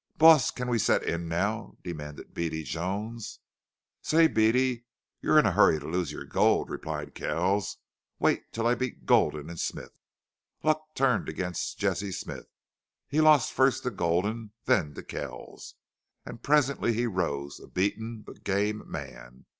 "Boss, can't we set in now?" demanded Beady Jones. "Say, Beady, you're in a hurry to lose your gold," replied Kells. "Wait till I beat Gulden and Smith." Luck turned against Jesse Smith. He lost first to Gulden, then to Kells, and presently he rose, a beaten, but game man.